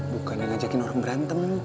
bukan yang ngajakin orang berantem